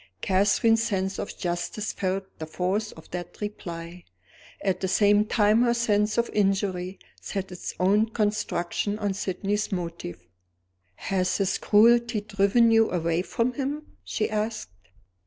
Catherine's sense of justice felt the force of that reply. At the same time her sense of injury set its own construction on Sydney's motive. "Has his cruelty driven you away from him?" she asked.